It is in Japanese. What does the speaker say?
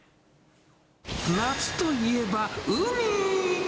夏といえば、海！